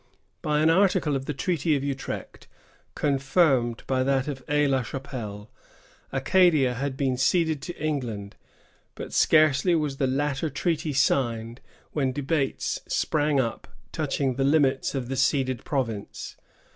By an article of the treaty of Utrecht, confirmed by that of Aix la Chapelle, Acadia had been ceded to England; but scarcely was the latter treaty signed, when debates sprang up touching the limits of the ceded province.